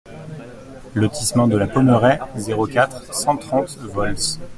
Lotissement de la Pommeraie, zéro quatre, cent trente Volx